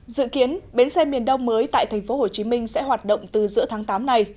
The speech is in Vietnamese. dự kiến bến xe miền đông mới tại tp hcm sẽ hoạt động từ giữa tháng tám này